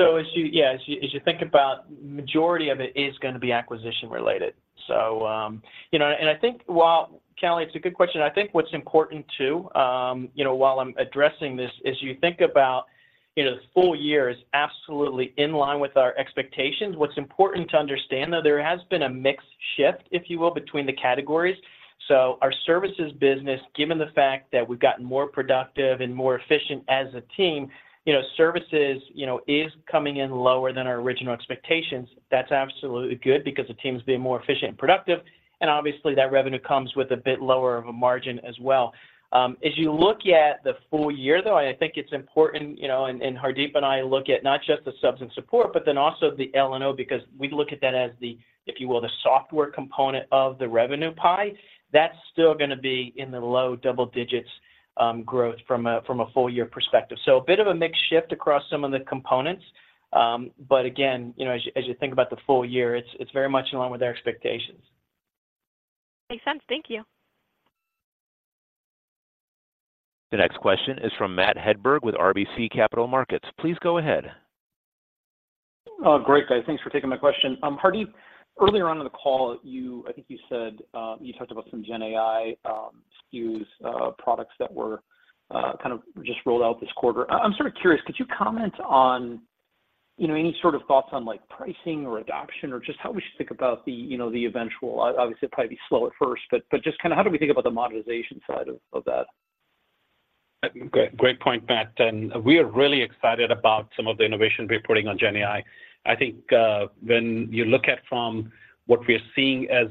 So, as you think about, majority of it is gonna be acquisition-related. So, you know, and I think while, Kelly, it's a good question. I think what's important too, you know, while I'm addressing this, is you think about, you know, the full year is absolutely in line with our expectations. What's important to understand, though, there has been a mix-... shift, if you will, between the categories. So our services business, given the fact that we've gotten more productive and more efficient as a team, you know, services, you know, is coming in lower than our original expectations. That's absolutely good because the team's being more efficient and productive, and obviously, that revenue comes with a bit lower of a margin as well. As you look at the full year, though, I think it's important, you know, and, and Hardeep and I look at not just the subs and support, but then also the L&O, because we look at that as the, if you will, the software component of the revenue pie. That's still gonna be in the low double digits, growth from a, from a full year perspective. So a bit of a mixed shift across some of the components. But again, you know, as you think about the full year, it's very much in line with our expectations. Makes sense. Thank you. The next question is from Matt Hedberg with RBC Capital Markets. Please go ahead. Great, guys. Thanks for taking my question. Hardeep, earlier on in the call, you, I think you said you talked about some GenAI SKUs, products that were kind of just rolled out this quarter. I'm sort of curious, could you comment on, you know, any sort of thoughts on, like, pricing or adoption or just how we should think about the, you know, the eventual...? Obviously, it'd probably be slow at first, but just kinda how do we think about the monetization side of that? Great, great point, Matt, and we are really excited about some of the innovation we're putting on GenAI. I think when you look at from what we are seeing as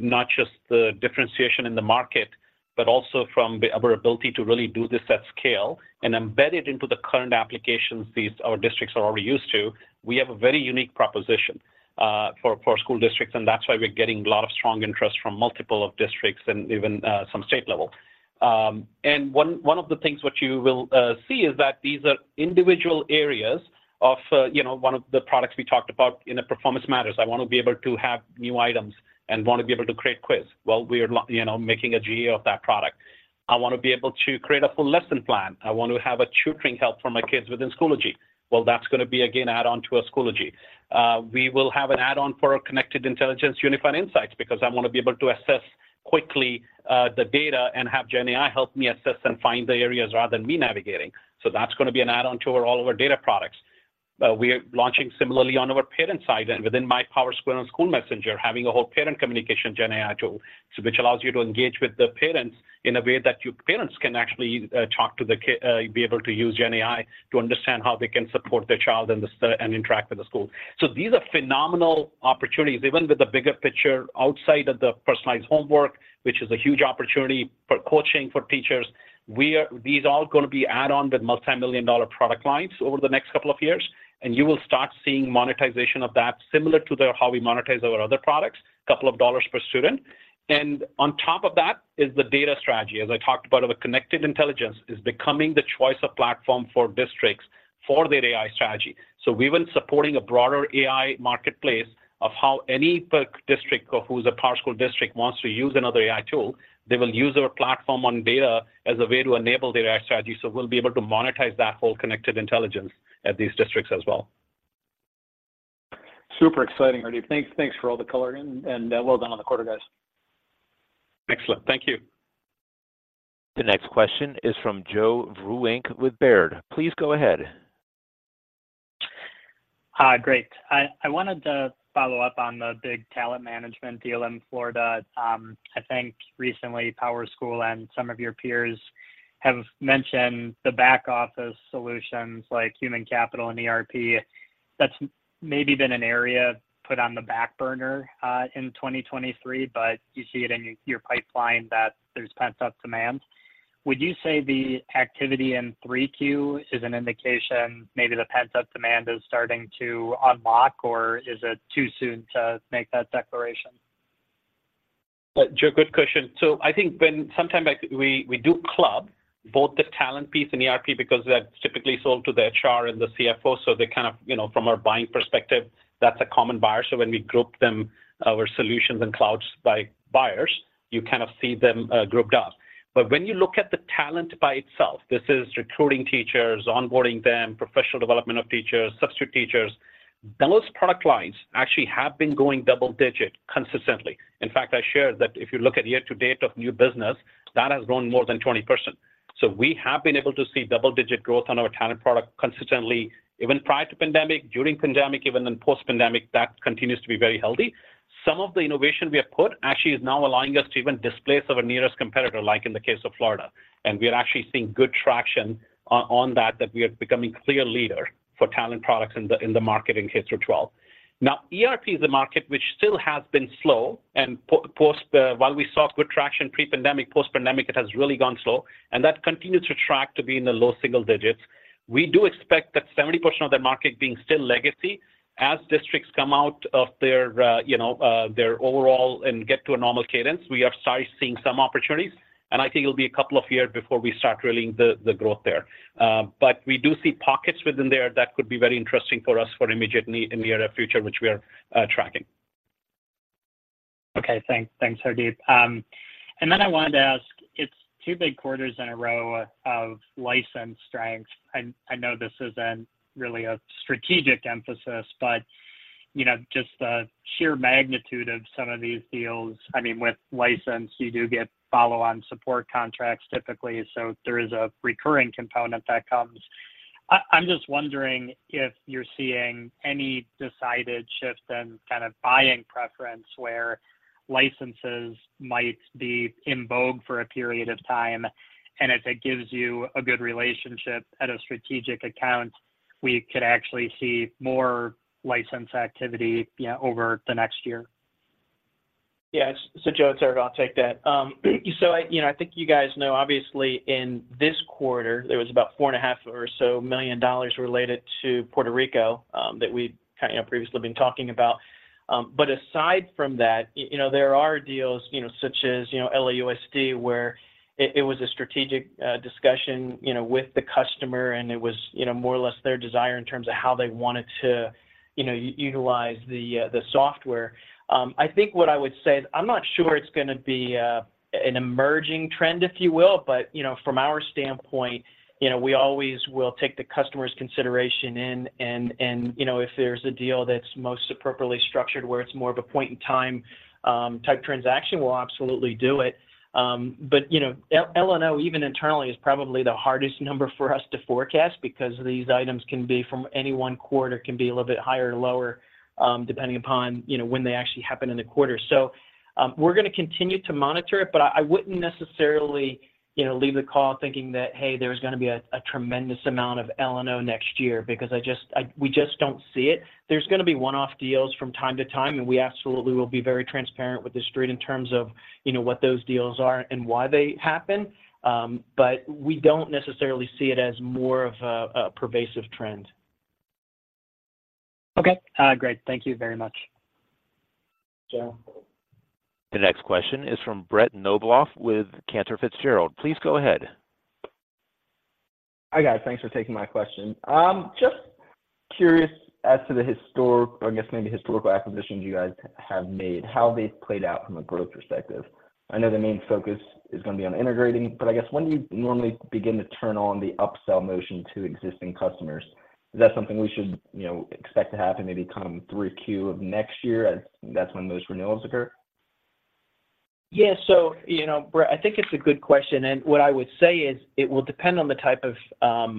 not just the differentiation in the market, but also from our ability to really do this at scale and embed it into the current applications our districts are already used to, we have a very unique proposition for school districts, and that's why we're getting a lot of strong interest from multiple of districts and even some state level. And one of the things which you will see is that these are individual areas of you know, one of the products we talked about in the Performance Matters. I want to be able to have new items and want to be able to create quiz. Well, you know, making a GenAI of that product. I want to be able to create a full lesson plan. I want to have a tutoring help for my kids within Schoology. Well, that's gonna be, again, add-on to our Schoology. We will have an add-on for our Connected Intelligence Unified Insights, because I want to be able to assess quickly the data and have GenAI help me assess and find the areas rather than me navigating. So that's gonna be an add-on to all of our data products. We are launching similarly on our parent side and within My PowerSchool and SchoolMessenger, having a whole parent communication GenAI tool, so which allows you to engage with the parents in a way that your parents can actually talk to the kid, be able to use GenAI to understand how they can support their child and interact with the school. So these are phenomenal opportunities, even with the bigger picture outside of the personalized homework, which is a huge opportunity for coaching, for teachers. These are all gonna be add-on with multimillion-dollar product lines over the next couple of years, and you will start seeing monetization of that, similar to the how we monetize our other products, a couple of dollars per student. And on top of that is the data strategy. As I talked about, our Connected Intelligence is becoming the choice of platform for districts for their AI strategy. So we've been supporting a broader AI marketplace of how any district or who's a PowerSchool district wants to use another AI tool, they will use our platform on data as a way to enable their AI strategy. So we'll be able to monetize that whole Connected Intelligence at these districts as well. Super exciting, Hardeep. Thanks, thanks for all the color, and well done on the quarter, guys. Excellent. Thank you. The next question is from Joe Vruwink with Baird. Please go ahead. Hi. Great. I wanted to follow up on the big talent management deal in Florida. I think recently, PowerSchool and some of your peers have mentioned the back office solutions like human capital and ERP. That's maybe been an area put on the back burner, in 2023, but you see it in your pipeline that there's pent-up demand. Would you say the activity in 3Q is an indication maybe the pent-up demand is starting to unlock, or is it too soon to make that declaration? Joe, good question. So I think when sometime back, we do club both the talent piece and ERP, because that's typically sold to the HR and the CFO. So they kind of, you know, from a buying perspective, that's a common buyer. So when we group them, our solutions and clouds by buyers, you kind of see them grouped up. But when you look at the talent by itself, this is recruiting teachers, onboarding them, professional development of teachers, substitute teachers. Those product lines actually have been going double-digit consistently. In fact, I shared that if you look at year to date of new business, that has grown more than 20%. So we have been able to see double-digit growth on our talent product consistently, even prior to pandemic, during pandemic, even in post-pandemic, that continues to be very healthy. Some of the innovation we have put actually is now allowing us to even displace our nearest competitor, like in the case of Florida. We are actually seeing good traction on that that we are becoming clear leader for talent products in the market in K-12. Now, ERP is a market which still has been slow, and post while we saw good traction pre-pandemic, post-pandemic, it has really gone slow, and that continues to track to be in the low single digits. We do expect that 70% of that market being still legacy. As districts come out of their, you know, their overall and get to a normal cadence, we have started seeing some opportunities, and I think it'll be a couple of years before we start rolling the growth there. But we do see pockets within there that could be very interesting for us for immediate need in the near future, which we are tracking. Okay, thanks. Thanks, Hardeep. And then I wanted to ask, it's two big quarters in a row of license strength. I know this isn't really a strategic emphasis, but, you know, just the sheer magnitude of some of these deals, I mean, with license, you do get follow-on support contracts typically, so there is a recurring component that comes.... I'm just wondering if you're seeing any decided shift in kind of buying preference, where licenses might be in vogue for a period of time, and if it gives you a good relationship at a strategic account, we could actually see more license activity, yeah, over the next year? Yes. So Joe, it's Eric, I'll take that. So I, you know, I think you guys know, obviously in this quarter, there was about $4.5 million or so related to Puerto Rico, that we've kind of previously been talking about. But aside from that, you know, there are deals, you know, such as, you know, LAUSD, where it, it was a strategic discussion, you know, with the customer, and it was, you know, more or less their desire in terms of how they wanted to, you know, utilize the, the software. I think what I would say is, I'm not sure it's gonna be an emerging trend, if you will, but you know, from our standpoint, you know, we always will take the customer's consideration in, and, and, you know, if there's a deal that's most appropriately structured where it's more of a point-in-time type transaction, we'll absolutely do it. But, you know, L&O, even internally, is probably the hardest number for us to forecast because these items can be from any one quarter, can be a little bit higher or lower, depending upon, you know, when they actually happen in the quarter. So, we're gonna continue to monitor it, but I wouldn't necessarily, you know, leave the call thinking that, "Hey, there's gonna be a tremendous amount of L&O next year," because we just don't see it. There's gonna be one-off deals from time to time, and we absolutely will be very transparent with The Street in terms of, you know, what those deals are and why they happen. But we don't necessarily see it as more of a pervasive trend. Okay. Great. Thank you very much. Yeah. The next question is from Brett Knoblauch with Cantor Fitzgerald. Please go ahead. Hi, guys. Thanks for taking my question. Just curious as to the historic, I guess, maybe historical acquisitions you guys have made, how they've played out from a growth perspective. I know the main focus is gonna be on integrating, but I guess when do you normally begin to turn on the upsell motion to existing customers? Is that something we should, you know, expect to happen maybe come through Q of next year, as that's when those renewals occur? Yeah. So, you know, Brett, I think it's a good question, and what I would say is, it will depend on the type of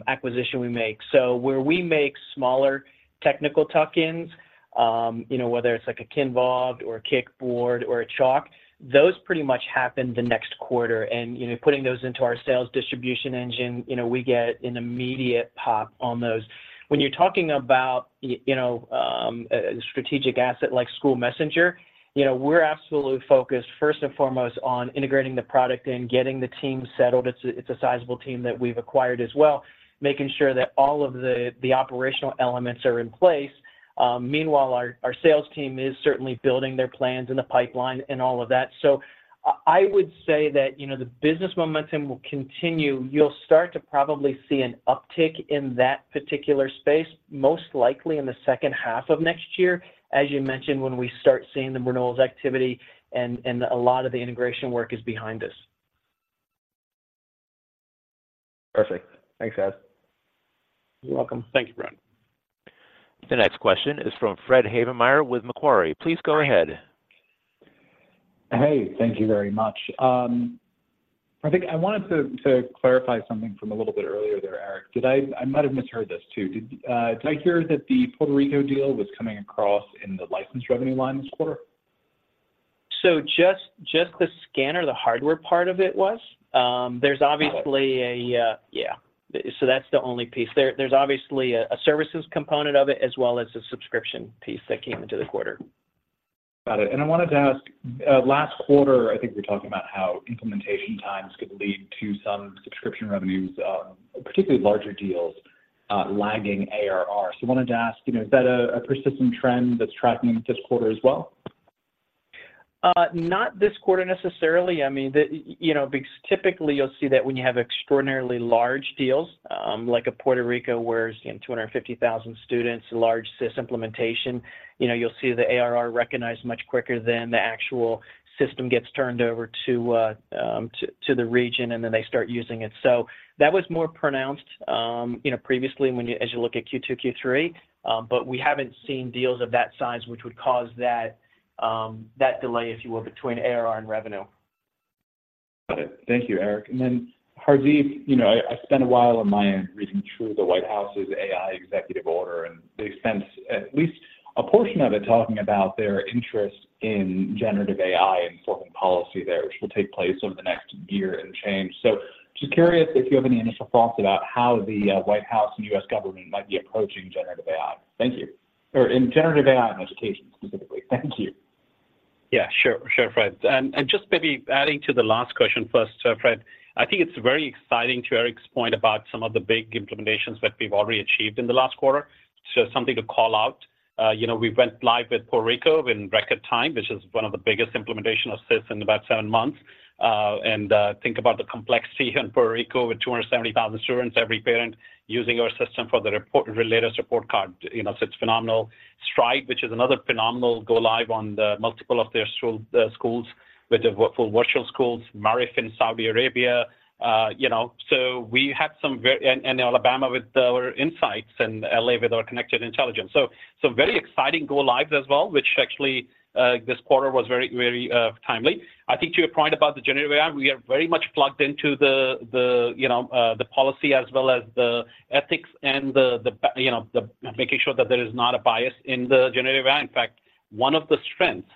acquisition we make. So where we make smaller technical tuck-ins, you know, whether it's like a Kinvolved or a Kickboard or a Chalk, those pretty much happen the next quarter. And, you know, putting those into our sales distribution engine, you know, we get an immediate pop on those. When you're talking about you know, a strategic asset like SchoolMessenger, you know, we're absolutely focused, first and foremost, on integrating the product and getting the team settled. It's a sizable team that we've acquired as well, making sure that all of the operational elements are in place. Meanwhile, our sales team is certainly building their plans in the pipeline and all of that. So I would say that, you know, the business momentum will continue. You'll start to probably see an uptick in that particular space, most likely in the second half of next year, as you mentioned, when we start seeing the renewals activity and a lot of the integration work is behind us. Perfect. Thanks, guys. You're welcome. Thank you, Brett. The next question is from Fred Havemeyer with Macquarie. Please go ahead. Hey, thank you very much. I think I wanted to clarify something from a little bit earlier there, Eric. Did I might have misheard this, too. Did I hear that the Puerto Rico deal was coming across in the license revenue line this quarter? So just the scanner, the hardware part of it was. There's obviously- Got it.... yeah. So that's the only piece. There, there's obviously a services component of it, as well as a subscription piece that came into the quarter. Got it. And I wanted to ask, last quarter, I think you're talking about how implementation times could lead to some subscription revenues, particularly larger deals, lagging ARR. So I wanted to ask, you know, is that a persistent trend that's tracking this quarter as well? Not this quarter necessarily. I mean, the, you know, because typically, you'll see that when you have extraordinarily large deals, like a Puerto Rico, where it's, you know, 250,000 students, large SIS implementation, you know, you'll see the ARR recognized much quicker than the actual system gets turned over to, to the region, and then they start using it. So that was more pronounced, you know, previously when you, as you look at Q2, Q3, but we haven't seen deals of that size, which would cause that, that delay, if you will, between ARR and revenue. Got it. Thank you, Eric. And then, Hardeep, you know, I spent a while on my end reading through the White House's AI executive order, and they spent at least a portion of it talking about their interest in generative AI and forming policy there, which will take place over the next year and change. So just curious if you have any initial thoughts about how the White House and U.S. government might be approaching generative AI. Thank you. Or in generative AI and education, specifically. Thank you. Yeah. Sure, sure, Fred. And just maybe adding to the last question first, Fred, I think it's very exciting to Eric's point about some of the big implementations that we've already achieved in the last quarter. So something to call out, you know, we went live with Puerto Rico in record time, which is one of the biggest implementations of SIS in about seven months. And think about the complexity in Puerto Rico with 270,000 students, every parent using our system for the reporting and related report card. You know, so it's phenomenal. Stride, which is another phenomenal go live on the multiple of their schools, with the virtual schools, Maarif in Saudi Arabia, you know. So we had some very... And Alabama with our insights and LA with our Connected Intelligence. So, so very exciting go lives as well, which actually, this quarter was very, very, timely. I think to your point about the generative AI, we are very much plugged into the, the, you know, the policy as well as the ethics and the, the, you know, the making sure that there is not a bias in the generative AI. In fact, one of the strengths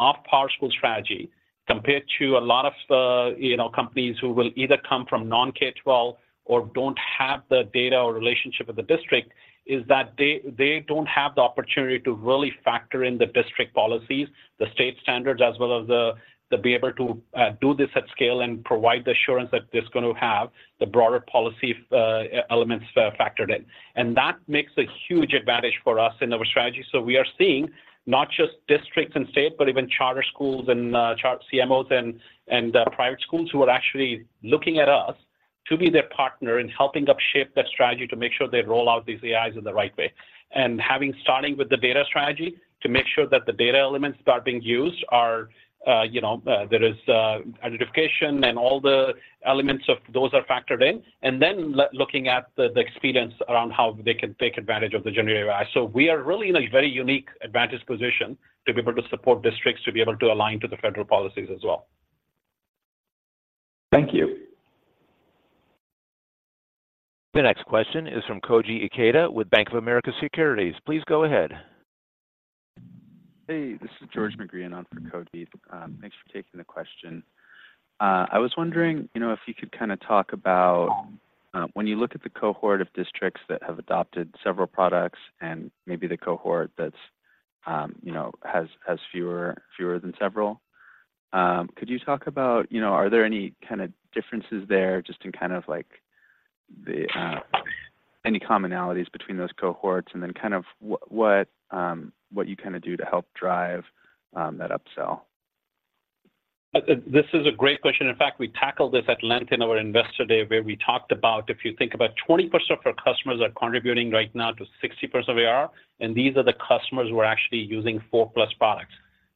of PowerSchool strategy, compared to a lot of, you know, companies who will either come from non-K-12 or don't have the data or relationship with the district, is that they don't have the opportunity to really factor in the district policies, the state standards, as well as the, to be able to, do this at scale and provide the assurance that it's going to have the broader policy, elements, factored in. That makes a huge advantage for us in our strategy. So we are seeing not just districts and state, but even charter schools and charter CMOs and private schools who are actually looking at us to be their partner in helping them shape their strategy to make sure they roll out these AIs in the right way. And having starting with the data strategy, to make sure that the data elements that are being used are, you know, there is identification and all the elements of those are factored in, and then looking at the experience around how they can take advantage of the generative AI. So we are really in a very unique advantage position to be able to support districts, to be able to align to the federal policies as well. Thank you. The next question is from Koji Ikeda with Bank of America Securities. Please go ahead. Hey, this is George Meng on for Koji. Thanks for taking the question. I was wondering, you know, if you could kind of talk about when you look at the cohort of districts that have adopted several products and maybe the cohort that's, you know, has fewer than several, could you talk about, you know, are there any kind of differences there, just in kind of like the any commonalities between those cohorts and then kind of what what you kind of do to help drive that upsell? This is a great question. In fact, we tackled this at length in our Investor Day, where we talked about if you think about 20% of our customers are contributing right now to 60% of AR, and these are the customers who are actually using four-plus products.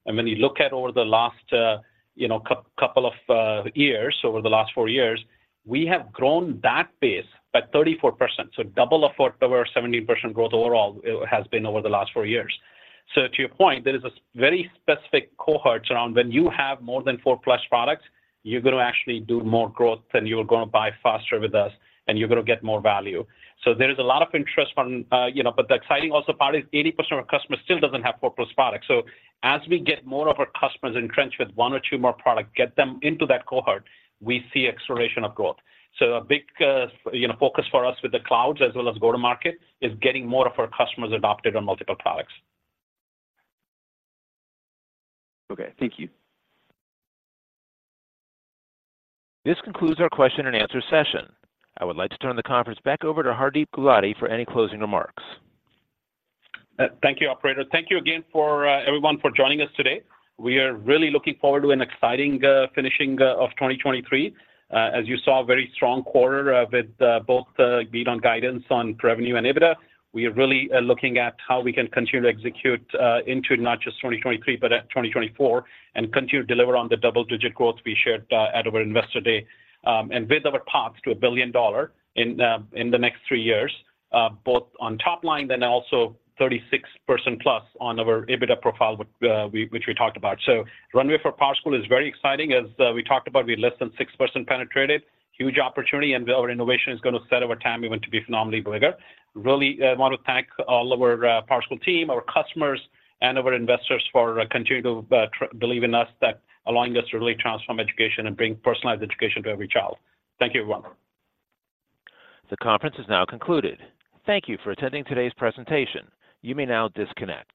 And when you look at over the last couple of years, over the last four years, we have grown that base by 34%. So double of our 17% growth overall has been over the last four years. So to your point, there is a very specific cohort around when you have more than four-plus products, you're going to actually do more growth, than you're gonna buy faster with us, and you're gonna get more value. So there is a lot of interest from, you know... But the exciting also part is 80% of customers still doesn't have 4+ products. So as we get more of our customers entrenched with one or two more product, get them into that cohort, we see acceleration of growth. So a big, you know, focus for us with the clouds as well as go-to-market, is getting more of our customers adopted on multiple products. Okay, thank you. This concludes our question and answer session. I would like to turn the conference back over to Hardeep Gulati for any closing remarks. Thank you, operator. Thank you again, everyone, for joining us today. We are really looking forward to an exciting finishing of 2023. As you saw, a very strong quarter with both the beat on guidance on revenue and EBITDA. We are really looking at how we can continue to execute into not just 2023, but 2024, and continue to deliver on the double-digit growth we shared at our Investor Day. And with our paths to $1 billion in the next three years, both on top line and also 36%+ on our EBITDA profile, which we talked about. So runway for PowerSchool is very exciting. As we talked about, we're less than 6% penetrated. Huge opportunity, and our innovation is going to set over time. We want to be phenomenally bigger. Really want to thank all our PowerSchool team, our customers, and our investors for continuing to believe in us, that allowing us to really transform education and bring personalized education to every child. Thank you, everyone. The conference is now concluded. Thank you for attending today's presentation. You may now disconnect.